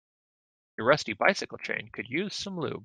Your rusty bicycle chain could use some lube.